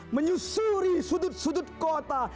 menyusuri sudut sudut kota